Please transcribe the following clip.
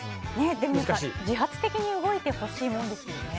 でもやっぱ自発的に動いてほしいもんですよね。